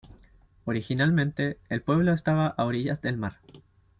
Originalmente, el pueblo estaba a orillas del mar.